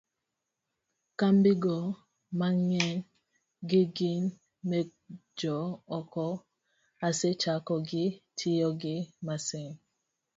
kambigo mang'eny gi gin mekjo oko, asechako gi tiyo gi masin